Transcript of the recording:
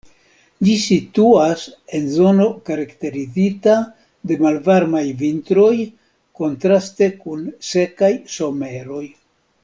Ĝi situas en zono karakterizita de malvarmaj vintroj, kontraste kun sekaj someroj.